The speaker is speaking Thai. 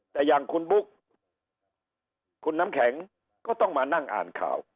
แต่อย่างคุณบุ๊กคุณน้ำแข็งก็ต้องมานั่งอ่านข่าว